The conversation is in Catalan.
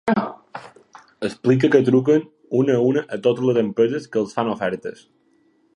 Explica que truquen una a una a totes les empreses que els fan ofertes.